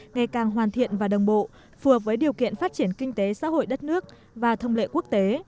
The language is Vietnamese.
ngày càng hoàn thiện và đồng bộ phù hợp với điều kiện phát triển kinh tế xã hội đất nước và thông lệ quốc tế